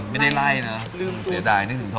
แบบที่ขนาดอยู่คือนั้น